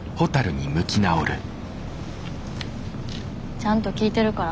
ちゃんと聞いてるから。